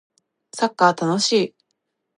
サッカー楽しい